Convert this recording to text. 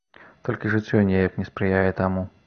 Толькі жыццё неяк не спрыяе таму.